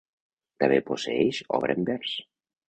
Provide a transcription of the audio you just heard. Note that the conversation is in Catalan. També posseeix obra en vers.